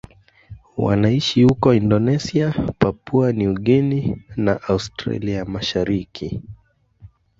Wanaishi huko Indonesia, Papua New Guinea na Australia ya Mashariki.